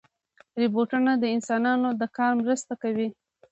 روبوټونه د انسانانو د کار مرسته کوي.